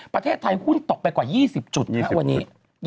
ประเทศไทยหุ้นตกไปกว่า๒๐จุดวันนี้